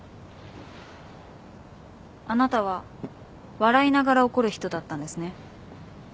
あなたは笑いながら怒る人だったんですね。